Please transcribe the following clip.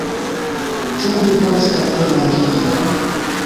Ĉu vi volas fakte manĝi ion?